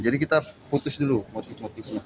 jadi kita putus dulu motif motifnya